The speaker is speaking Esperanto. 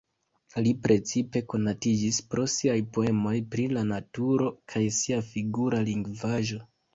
Li precipe konatiĝis pro siaj poemoj pri la naturo kaj sia figura lingvaĵo.